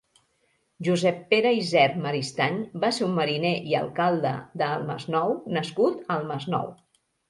Josep Pere Isern Maristany va ser un mariner i alcalde de el Masnou nascut al Masnou.